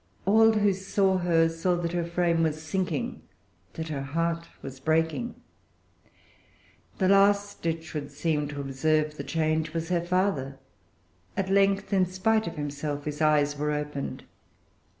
All who saw her saw that her frame was sinking, that her heart was breaking. The last, it should seem, to observe the change was her father. At length, in spite of himself, his eyes were opened.